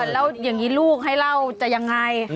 ให้ลูกให้เล่าจะยังไง